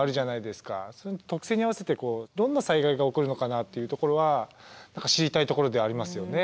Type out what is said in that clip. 特性に合わせてどんな災害が起こるのかなっていうところは知りたいところではありますよね。